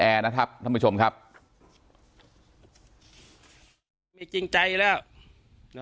การแก้เคล็ดบางอย่างแค่นั้นเอง